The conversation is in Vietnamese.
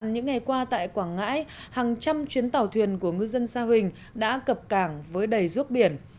những ngày qua tại quảng ngãi hàng trăm chuyến tàu thuyền của ngư dân sa huỳnh đã cập cảng với đầy ruốc biển